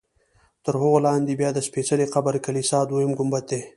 تر هغه لاندې بیا د سپېڅلي قبر کلیسا دویم ګنبد دی.